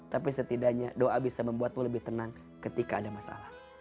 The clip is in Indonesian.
tapi setidaknya doa bisa membuatmu lebih tenang ketika ada masalah